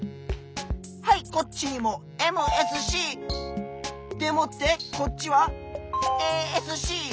はいこっちにもＭＳＣ！でもってこっちはＡＳＣ！